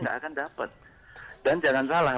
tidak akan dapat dan jangan salah